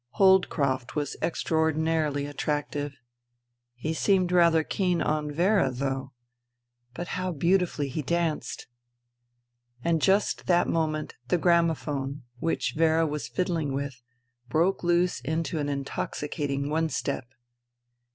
Holdcroft was extraordinarily attractive. He seemed rather keen on Vera, though. But how beautifully he danced. And just that moment the gramophone, which Vera was fiddling with, broke loose into an intoxi cating one step.